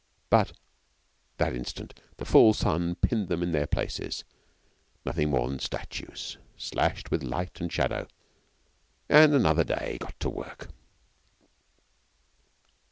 But that instant the full sun pinned them in their places nothing more than statues slashed with light and shadow and another day got to work.